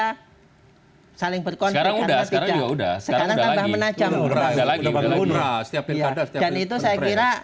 hai saling berkonten sekarang udah sekarang udah sekarang udah lagi lagi setiap dan itu saya kira